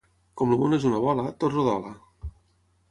Com el món és una bola, tot rodola.